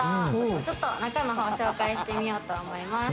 ちょっと中のほうを紹介してみようと思います。